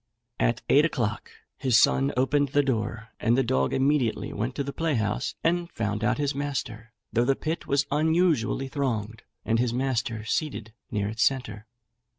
At eight o'clock his son opened the door, and the dog immediately went to the playhouse and found out his master, though the pit was unusually thronged, and his master seated near its centre.